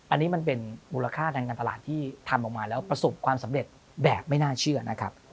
อันนี้มันเป็นมูลค่าทางการตลาดที่ทำออกมาแล้วประสบความสำเร็จแบบไม่น่าเชื่อนะครับ